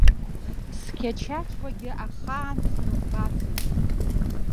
Сқьачақьуагьы ахаан срымбацызт.